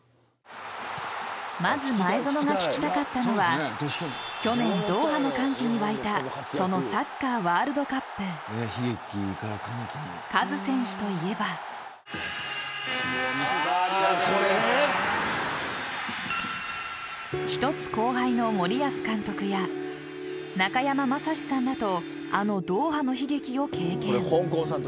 まず前園が聞きたかったのは去年ドーハの歓喜に沸いたサッカーワールドカップカズ選手といえば１つ後輩の森保監督や中山雅史さんらとあのドーハの悲劇を経験。